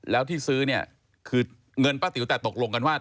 แล้วที่ซื้อเนี่ยคือเงินป้าติ๋วแต่ตกลงกันว่า